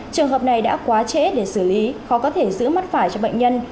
trường hợp này đã quá trễ để xử lý khó có thể giữ mắt phải cho bệnh nhân